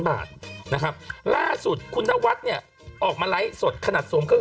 บาทนะครับล่าสุดคุณนวัดเนี่ยออกมาไลฟ์สดขนาดสวมเครื่อง